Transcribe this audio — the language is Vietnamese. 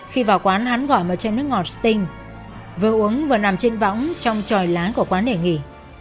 khi vào quán gọi ở chai nước ngọt sting vừa uống vừa nằm trên võng trong tròi lá của quán để nghỉ